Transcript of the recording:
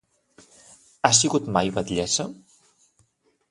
Ha sigut mai batllessa?